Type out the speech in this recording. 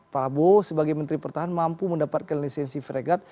pak prabowo sebagai menteri pertahanan mampu mendapatkan lisensi fregat